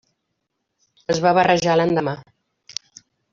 Es va barrejar l'endemà.